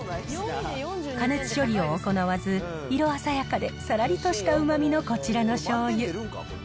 加熱処理を行わず、色鮮やかで、さらりとしたうまみのこちらの醤油。